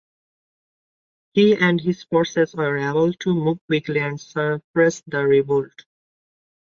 He and his forces were able to move quickly and suppress the revolt.